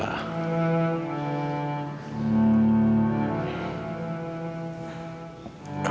kamu tahu gak mil